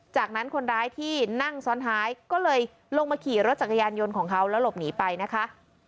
จากนั้นคนร้ายที่นั่งซ้อนท้ายก็เลยลงมาขี่รถจักรยานยนต์ของเขาแล้วหลบหนีไปนะคะ